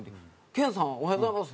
「ケンさんおはようございます」